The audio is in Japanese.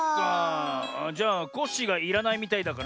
じゃあコッシーがいらないみたいだから。